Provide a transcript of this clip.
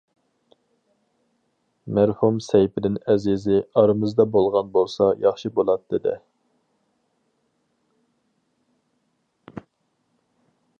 مەرھۇم سەيپىدىن ئەزىزى ئارىمىزدا بولغان بولسا ياخشى بولاتتى دە.